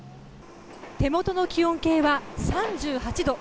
手元の気温計は３８度。